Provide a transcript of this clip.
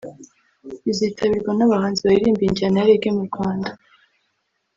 rizitabirwa n’abahanzi baririmba injyana ya Reggae mu Rwanda